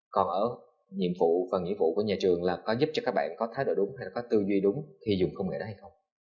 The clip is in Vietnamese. còn ở nhiệm vụ và nghĩa vụ của nhà trường là có giúp cho các bạn có thái độ đúng hay là có tư duy đúng khi dùng công nghệ đấy hay không